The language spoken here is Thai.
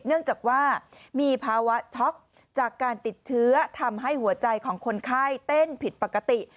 เนื่องจากว่ามีภาวะช็อกจากการติดเชื้อทำให้หัวใจของคนไข้เต้นผิดปกติ